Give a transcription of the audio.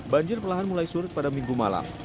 banjir perlahan mulai surut pada minggu malam